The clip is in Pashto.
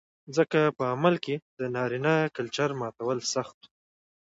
ځکه په عمل کې د نارينه کلچر ماتول سخت و